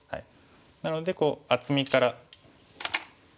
なのでこう厚みから。